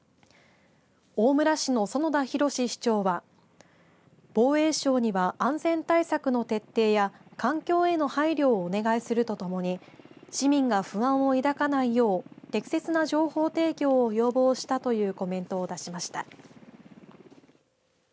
大村市の園田裕史市長は防衛省には安全対策の徹底や環境への配慮をお願いするとともに市民が不安を抱かないよう適切な情報提供を要望したというコメントを出しました。